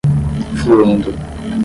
fluindo